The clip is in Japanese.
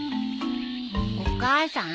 お母さん？